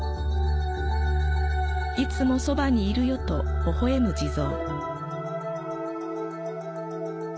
いつもそばにいるよと微笑む地蔵。